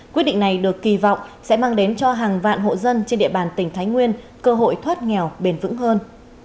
quyết định này được kỳ vọng sẽ mang đến cho hàng vạn hộ dân trên địa bàn tỉnh thái nguyên cơ hội thoát nghèo bền vững hơn